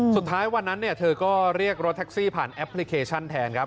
สุดท้ายวันนั้นเธอก็เรียกรถแท็กซี่ผ่านแอปพลิเคชันแทนครับ